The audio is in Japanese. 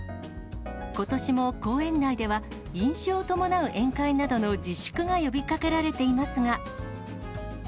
ことしも公園内では、飲酒を伴う宴会などの自粛が呼びかけられていますが。